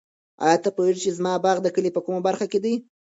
آیا ته پوهېږې چې زموږ باغ د کلي په کومه برخه کې دی؟